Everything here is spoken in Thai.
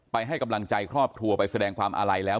ให้กำลังใจครอบครัวไปแสดงความอาลัยแล้ว